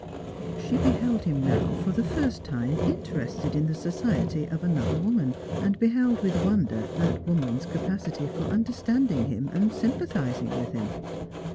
She beheld him now for the first time interested in the society of another woman, and beheld with wonder that woman's capa city for understanding him and sympathising with him.